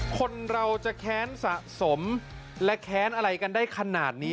คนเราจะแค้นสะสมและแค้นอะไรกันได้ขนาดนี้